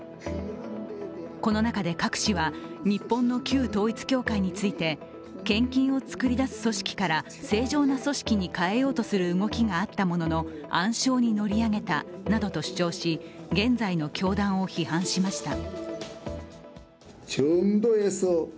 この中でカク氏は、日本の旧統一教会について、献金を作り出す組織から正常な組織へと変えようとする動きがあったものの暗礁に乗り上げたなどと主張し、現在の教団を批判しました。